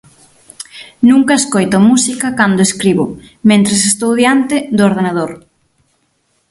Nunca escoito música cando escribo, mentres estou diante do ordenador.